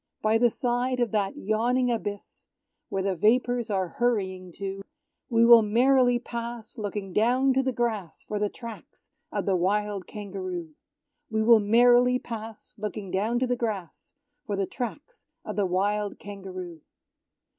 By the side of that yawning abyss, Where the vapours are hurrying to, We will merrily pass, looking down to the grass For the tracks of the wild Kangaroo! We will merrily pass, Looking down to the grass For the tracks of the wild Kangaroo.